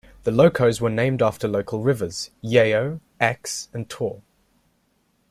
The locos were named after local rivers: "Yeo", "Exe", and "Taw".